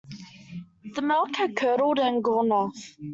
The milk had curdled and gone off.